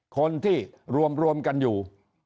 คนที่รวมกันอยู่